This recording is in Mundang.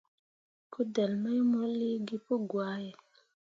Kudelle mai mo liigi pǝgwahe.